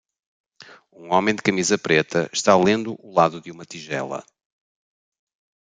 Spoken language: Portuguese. Um homem de camisa preta está lendo o lado de uma tigela